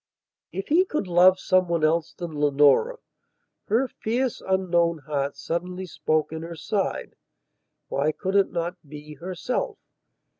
If he could love some one else than Leonora, her fierce unknown heart suddenly spoke in her side, why could it not be herself?